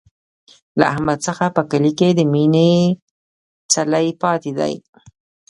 له احمد څخه په کلي کې د مینې څلی پاتې دی.